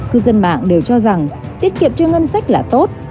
cư dân mạng đều cho rằng tiết kiệm cho ngân sách là tốt